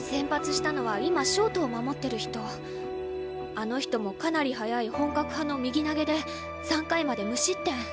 あの人もかなり速い本格派の右投げで３回まで無失点。